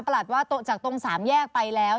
ว่าจากตรงสามแยกไปแล้ว